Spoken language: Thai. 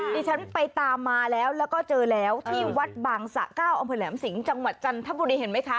ดิฉันไปตามมาแล้วแล้วก็เจอแล้วที่วัดบางสะเก้าอำเภอแหลมสิงห์จังหวัดจันทบุรีเห็นไหมคะ